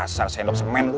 asal sendok semen lu